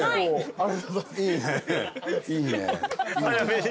ありがとうございます。